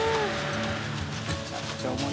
めちゃくちゃ重いよ。